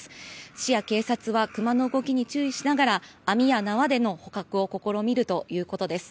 市や警察はクマの動きに注意しながら網や縄での捕獲を試みるということです。